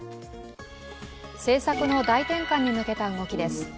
政策の大転換に向けた動きです。